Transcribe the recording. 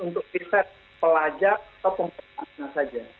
untuk riset pelajar atau pemerintah saja